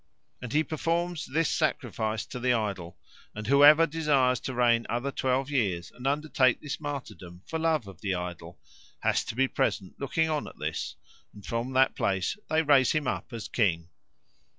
And he performs this sacrifice to the idol, and whoever desires to reign another twelve years and undertake this martyrdom for love of the idol, has to be present looking on at this: and from that place they raise him up as king."